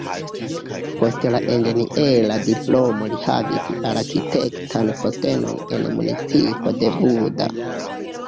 Post la inĝeniera diplomo li havis arkitektan postenon en municipo de Buda.